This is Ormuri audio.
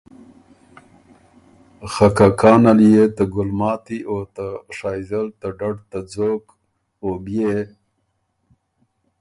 خه کانه ليې که ته ګلماتي او ته شائزل ته ډډ ته ځوک او بيې